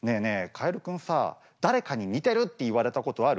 カエルくんさ誰かに似てるって言われたことある？